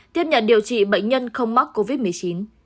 tiếp nhận điều trị bệnh nhân không mắc covid một mươi chín